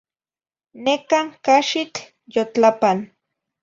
Neca n caxitl yotlapan